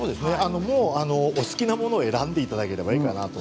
お好きなものを選んでいただければいいかなと。